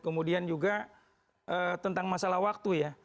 kemudian juga tentang masalah waktu ya